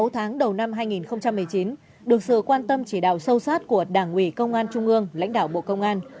sáu tháng đầu năm hai nghìn một mươi chín được sự quan tâm chỉ đạo sâu sát của đảng ủy công an trung ương lãnh đạo bộ công an